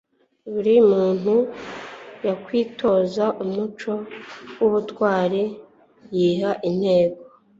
buri muntu yakwitoza umuco w'ubutwari yiha intego